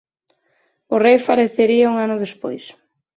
O rei falecería un ano despois.